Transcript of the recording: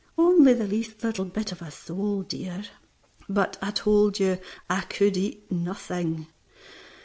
"Only the least little bit of a sole, dear." "But I told you I could eat nothing."